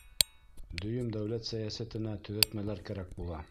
Дөйөм дәүләт сәйәсәтенә төҙәтмәләр кәрәк була.